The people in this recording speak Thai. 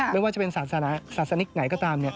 ไม่ว่าจะเป็นศาสนิกไหนก็ตาม